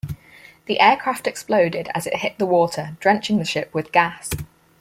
The aircraft exploded as it hit the water, drenching the ship with gas.